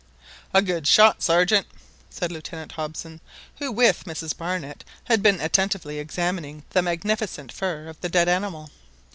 "A good shot, Sergeant," said Lieutenant Hobson, who with Mrs Barnett had been attentively examining the magnificent fur of the dead animal.